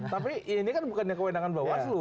tapi ini kan bukannya kewenangan bawaslu